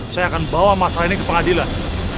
saya akan bawa mas salim ke pengadilan